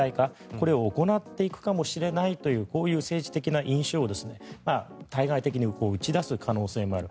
これを行っていくかもしれないというこういう政治的な印象を対外的に打ち出す可能性もある。